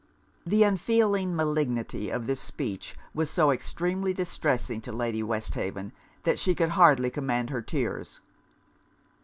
The unfeeling malignity of this speech was so extremely distressing to Lady Westhaven, that she could hardly command her tears.